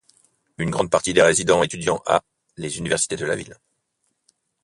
Une grande partie des résidents étudiant à les universités de la ville.